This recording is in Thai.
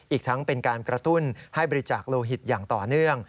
อีกทั้งเป็นการกระตุ้นให้บริจาคโลหิตอย่างต่อเนื่อง